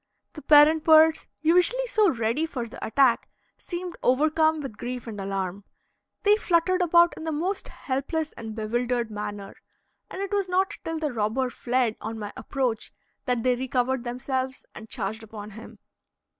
The parent birds, usually so ready for the attack, seemed over come with grief and alarm. They fluttered about in the most helpless and bewildered manner, and it was not till the robber fled on my approach that they recovered themselves and charged upon him.